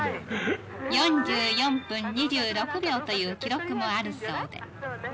４４分２６秒という記録もあるそうで。